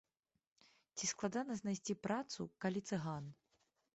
Ці складана знайсці працу, калі цыган?